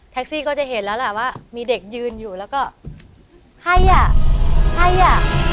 ซี่ก็จะเห็นแล้วล่ะว่ามีเด็กยืนอยู่แล้วก็ใครอ่ะใครอ่ะ